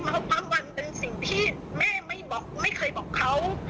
เพราะปั๊มวันเป็นสิ่งที่แม่ไม่เคยบอกเขา